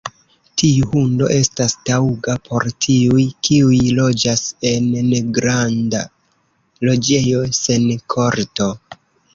Tiu hundo estas taŭga por tiuj, kiuj loĝas en negranda loĝejo sen korto.